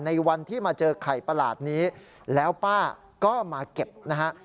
ในวันที่มาเจอไข่ประหลาดนี้แล้วป้าก็มาเก็บนะฮะ